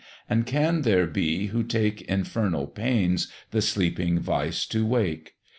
and can there be who take Infernal pains the sleeping vice to wake?